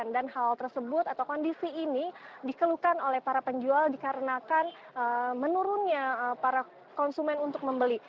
dan hal tersebut atau kondisi ini dikeluhkan oleh para penjual dikarenakan menurunnya para konsumen untuk membeli